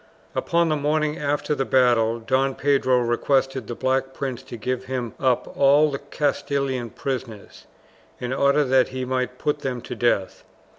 Upon the morning after the battle Don Pedro requested the Black Prince to give him up all the Castilian prisoners, in order that he might put them to death.